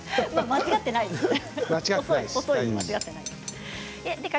間違ってないですよ。